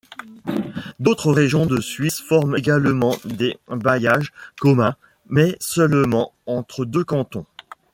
D'autres régions de Suisse forment également des bailliages communs, mais seulement entre deux cantons.